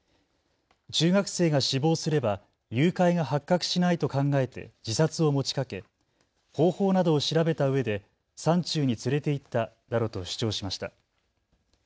中学生が死亡すれば誘拐が発覚しないと考えて自殺を持ちかけ、方法などを調べたうえで山中に連れて行ったなどと主張しました。